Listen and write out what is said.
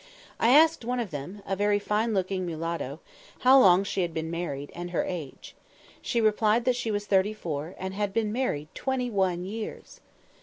I asked one of them, a very fine looking mulatto, how long she had been married, and her age. She replied that she was thirty four, and had been married twenty one years!